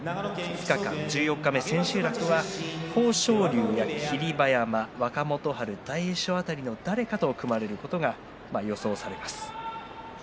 そして残り２日間十四日目、千秋楽は豊昇龍や霧馬山若元春に大栄翔辺りの誰かと組まれることが予想されます。